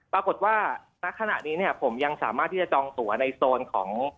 ปรากฏว่าณขณะนี้เนี่ยผมยังสามารถที่จะจองตัวในโซนของ